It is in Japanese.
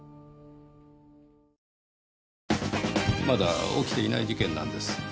まだ起きていない事件なんです。